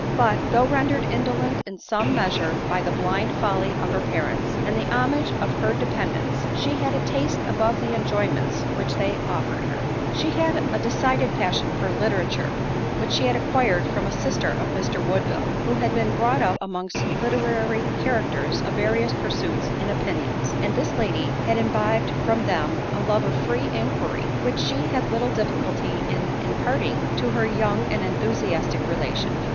But, though rendered indolent in some measure by the blind folly of her parents, and the homage of her depend ents, she had a taste above the enjoyments which they offered her. irfr* ■_.■"* TM 4 ADELINE MOWBRAY. She had a decided passion fox literature, which she had acquired from si sisjer of Mr Woodville, who had been brought up amongst literary characters of various pursuits and opinions ; and this lady had imbibed from them a love of free inquiry, which she had little diffi culty in imparting to her young and enthusiastic relation.